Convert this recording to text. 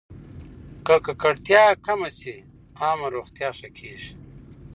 که ککړتیا کمه شي، عامه روغتیا ښه کېږي.